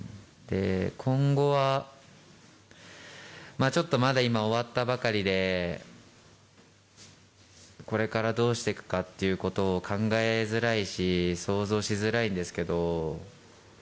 今後は、ちょっとまだ今、終わったばかりで、これからどうしていくかっていうことを考えづらいし、想像しづらいですけど。